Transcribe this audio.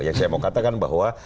yang saya mau katakan bahwa